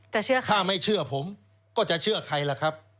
แต่เชื่อใครถ้าไม่เชื่อผมก็จะเชื่อใครล่ะครับ